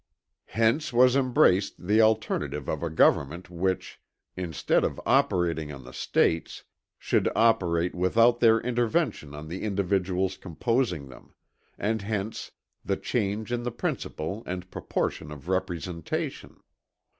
"Hence was embraced the alternative of a government which, instead of operating on the States, should operate without their intervention on the individuals composing them; and hence the change in the principle and proportion of representation."